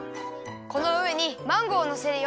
このうえにマンゴーをのせるよ。